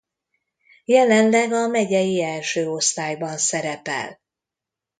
Jelenleg a megyei első osztályban szerepel.